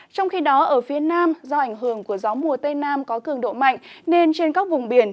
trong khi đó ở phía nam do ảnh hưởng của gió mùa tây nam có cường độ mạnh nên trên các vùng biển